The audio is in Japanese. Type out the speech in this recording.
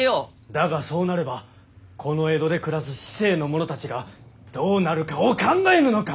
だがそうなればこの江戸で暮らす市井の者たちがどうなるかを考えぬのか！